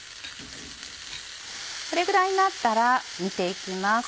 これぐらいになったら煮て行きます。